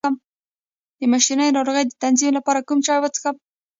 د میاشتنۍ ناروغۍ د تنظیم لپاره کوم چای وڅښم؟